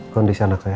kondisi anaknya ya